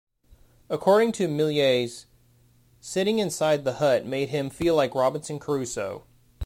According to Millais, sitting inside the hut made him feel like Robinson Crusoe.